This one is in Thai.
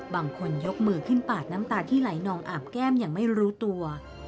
บางคนยกมือขึ้นปาดน้ำตาที่ไหลนองอาบแก้มอย่างไม่รู้ตัว